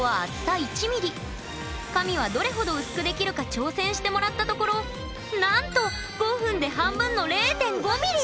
神はどれほど薄くできるか挑戦してもらったところなんと５分で半分の０．５ミリ！